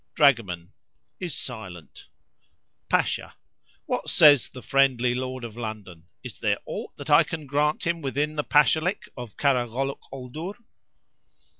Dragoman [is silent]. Pasha.—What says the friendly Lord of London? is there aught that I can grant him within the Pashalik of Karagholookoldour?